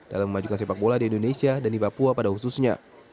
dalam memajukan sepak bola di indonesia dan di papua pada khususnya